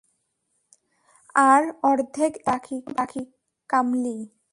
আর অর্ধেক এখনো বাকি, কামলি।